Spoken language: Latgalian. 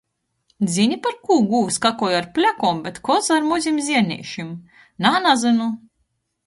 Zyni, parkū gūvs kakoj ar plekom, bet koza ar mozim zierneišim? Nā, nazynu.